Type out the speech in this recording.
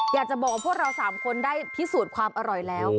อยากจะบอกว่าพวกเรา๓คนได้พิสูจน์ความอร่อยแล้ว